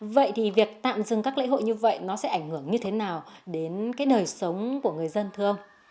vậy thì việc tạm dừng các lễ hội như vậy sẽ ảnh hưởng như thế nào đến nơi sống của người dân thương